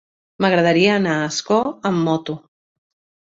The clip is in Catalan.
M'agradaria anar a Ascó amb moto.